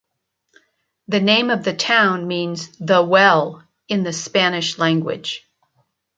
The name of the town means "The Well" in the Spanish language.